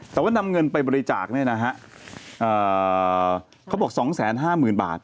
แต่ว่านำเงินไปบริจาคเนี่ยนะฮะเขาบอก๒๕๐๐๐บาท